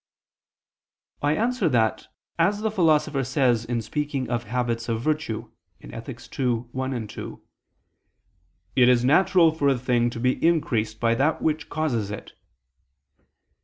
I answer that, As the Philosopher says in speaking of habits of virtue (Ethic. ii, 1, 2), "it is natural for a thing to be increased by that which causes it."